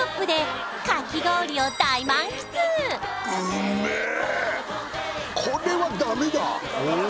うめえ！